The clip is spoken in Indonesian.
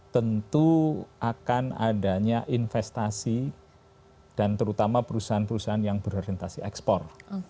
tentu akan adanya investasi dan terutama perusahaan perusahaan yang berorientasi ekspor